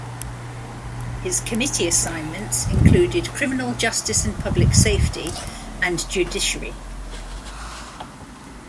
His committee assignments included Criminal Justice and Public Safety and Judiciary.